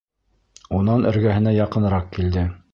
Унан эргәһенә яҡыныраҡ килде: